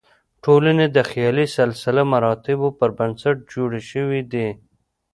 ټولنې د خیالي سلسله مراتبو پر بنسټ جوړې شوې دي.